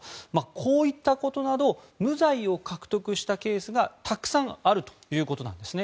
こういったことなど無罪を獲得したケースがたくさんあるということです。